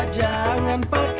jangan pakai nunggu